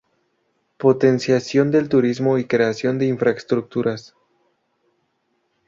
Potenciación del turismo y creación de infraestructuras.